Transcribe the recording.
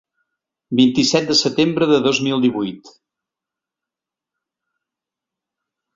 Vint-i-set de setembre de dos mil divuit.